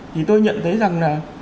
thì tôi nhận thấy rằng là